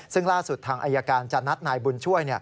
ซึ่งล่าสุดทางอายการจะนัดนายบุญช่วย